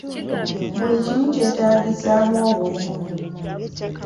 Buli kimu kyetaagisaamu obuvumu.